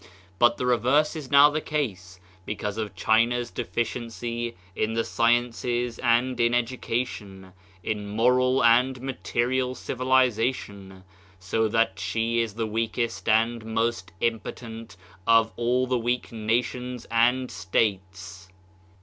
But the reverse is now the case, because of China's deficiency in the sciences and in education, in 124 Digitized by Google OF CIVILIZATION moral and material civilization ; so that she is the weakest and most impotent of all the weak nations and states.